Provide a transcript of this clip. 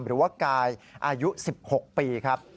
หรือว่ากายอายุ๑๖ปีครับ